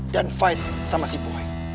dan berjuang sama si boy